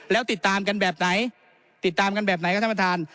แล้วติดตามกันแบบไหนติดตามกันแบบไหนครับท่านประธาน